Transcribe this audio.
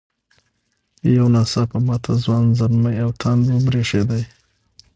یو نا څاپه ماته ځوان زلمي او تاند وبرېښدې.